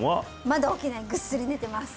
まだ起きないぐっすり寝てます